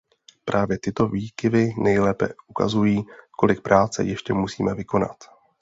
Právě tyto výkyvy nejlépe ukazují, kolik práce ještě musíme vykonat.